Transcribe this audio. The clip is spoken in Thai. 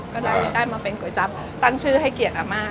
ก็ได้มาเป็นก๋วยจับตั้งชื่อให้เกียรติอาม่า